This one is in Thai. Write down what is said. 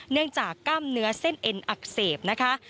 เนื่องจากกล้ามเนื้อเส้นเอ็นอักเสบนะคะ